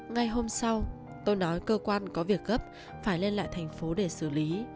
ngày hôm sau tôi nói cơ quan có việc gấp phải lên lại thành phố để xử lý